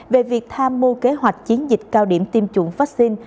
về việc tham mưu kế hoạch chiến dịch cao điểm tiêm chủng vaccine